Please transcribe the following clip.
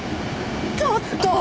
ちょっと！